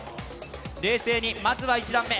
冷静に、まずは１段目。